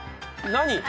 何？